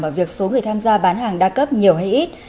và việc số người tham gia bán hàng đa cấp nhiều hay ít